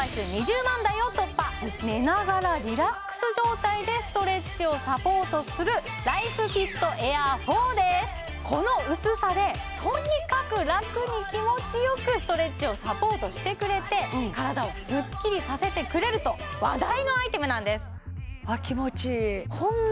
寝ながらリラックス状態でストレッチをサポートするこの薄さでとにかくラクに気持ちよくストレッチをサポートしてくれて体をスッキリさせてくれると話題のアイテムなんです